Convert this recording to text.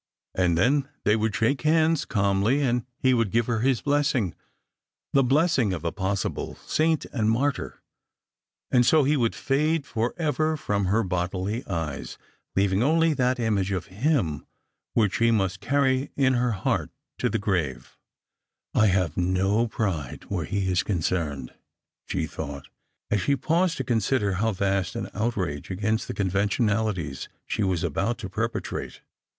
And then they would shake hands calmly, and he would giv« her his blessing, the blessing of a possible saint and martyr; and so he would fade for ever from her bodily eyes, leaving only that image of him which she must carry in her heart to the grave. Strangers and Pilqrims. 235 "I have no pride where he is concerned," she thought, as flhe paused to consider how vast an outrage against the con ventionaUties she was about to perpetrate.